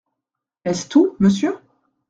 Est-ce tout, monsieur ?